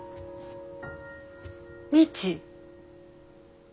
未知。